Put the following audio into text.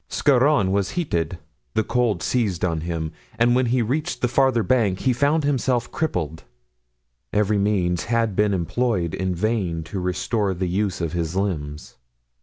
Scarron was heated, the cold seized on him, and when he reached the farther bank he found himself crippled. Every means had been employed in vain to restore the use of his limbs.